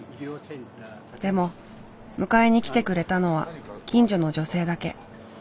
でも迎えに来てくれたのは近所の女性だけ。